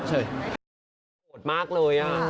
โกรธมากเลยอ่ะ